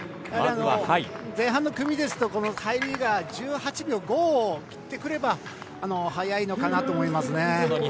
前半の組は、入りが１８秒５を切ってくれば速いのかなと思いますね。